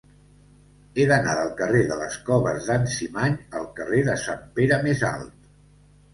He d'anar del carrer de les Coves d'en Cimany al carrer de Sant Pere Més Alt.